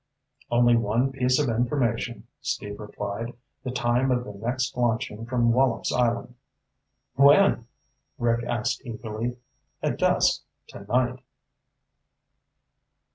"Only one piece of information," Steve replied. "The time of the next launching from Wallops Island." "When?" Rick asked eagerly. "At dusk tonight."